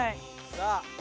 さあ。